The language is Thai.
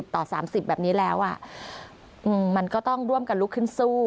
ต่อ๓๐แบบนี้แล้วมันก็ต้องร่วมกันลุกขึ้นสู้